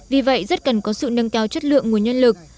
vì vậy rất cần có sự nâng cao chất lượng nguồn nhân lực